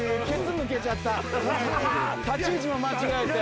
立ち位置も間違えて。